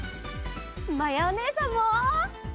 まやおねえさんも。